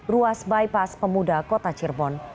ruas bypass pemuda kota cirebon